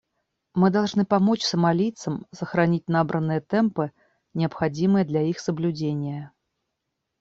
Мы должны помочь сомалийцам сохранить набранные темпы, необходимые для их соблюдения.